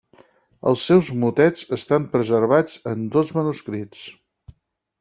Els seus motets estan preservats en dos manuscrits.